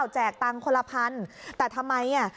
แจกตังค์คนละพันแต่ทำไมอ่ะ